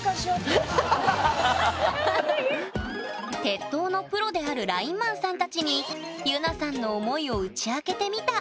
鉄塔のプロであるラインマンさんたちにゆなさんの思いを打ち明けてみた！